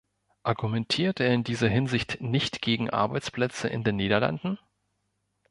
Argumentiert er in dieser Hinsicht nicht gegen Arbeitsplätze in den Niederlanden?